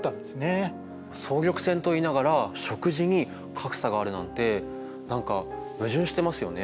総力戦といいながら食事に格差があるなんて何か矛盾してますよね。